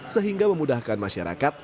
sehingga memudahkan masyarakat